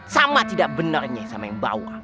sama tidak benernya sama yang bawa